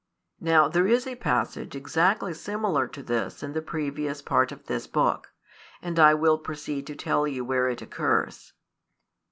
Now there is a passage exactly similar to this in the previous part of this book, and I will proceed to tell you where it occurs.